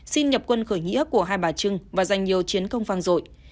xin nhập quân khởi nghĩa của hai bà trưng và dành nhiều chiến công phang rội